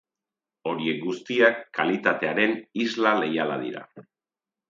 Horiek guztiak kalitatearen isla leiala dira.